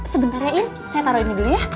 sebentar ya iin saya taruh ini dulu ya